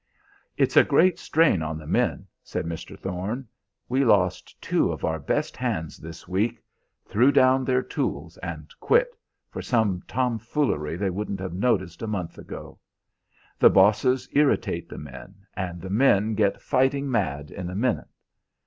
"It's a great strain on the men," said Mr. Thorne. "We lost two of our best hands this week threw down their tools and quit, for some tomfoolery they wouldn't have noticed a month ago. The bosses irritate the men, and the men get fighting mad in a minute.